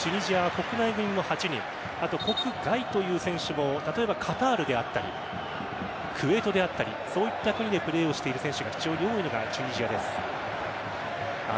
国外という選手も例えばカタールであったりクウェートであったりそういった国でプレーをしている選手が非常に多いのがチュニジアです。